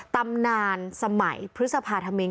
ตำนานสมัยพฤษภาธมิน